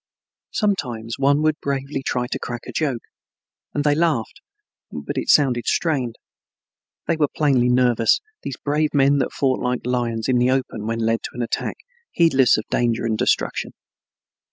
Sometimes one would bravely try to crack a joke, and they laughed, but it sounded strained. They were plainly nervous, these brave men that fought like lions in the open when led to an attack, heedless of danger and destruction.